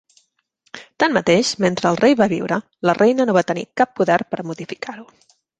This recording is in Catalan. Tanmateix, mentre el rei va viure, la Reina no va tenir cap poder per a modificar-ho.